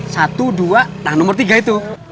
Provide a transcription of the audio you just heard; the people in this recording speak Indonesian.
satu dua nah nomor tiga itu